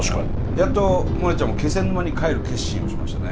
やっとモネちゃんも気仙沼に帰る決心をしましたね。